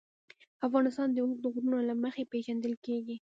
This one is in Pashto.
افغانستان د اوږده غرونه له مخې پېژندل کېږي.